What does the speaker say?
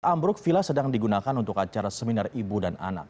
ambruk vila sedang digunakan untuk acara seminar ibu dan anak